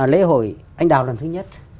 lễ hội anh đào lần thứ nhất